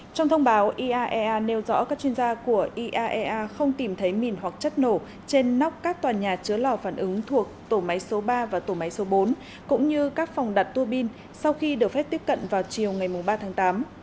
trong thông báo iaea nêu rõ các chuyên gia của iaea không tìm thấy mìn hoặc chất nổ trên nóc các tòa nhà chứa lò phản ứng thuộc tổ máy số ba và tổ máy số bốn cũng như các phòng đặt tuô bin sau khi được phép tiếp cận vào chiều ngày ba tháng tám